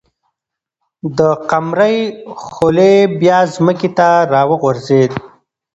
د قمرۍ خلی بیا ځمکې ته راوغورځېد.